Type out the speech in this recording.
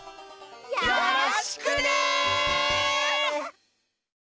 よろしくね！